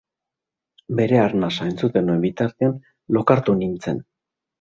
Bere arnasa entzuten nuen bitartean lokartu nintzen.